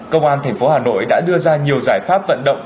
công an thành phố hà nội đã đưa ra nhiều giải pháp vận động